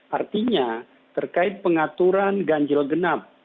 artinya terkait pengaturan ganjil genap